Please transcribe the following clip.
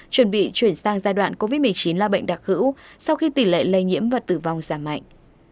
chuẩn bị chuyển sang giai đoạn covid một mươi chín là bệnh đặc hữu sau khi tỷ lệ lây nhiễm và tử vong giảm mạnh